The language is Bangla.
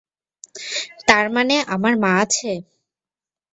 তারমানে, আমার মা আছে।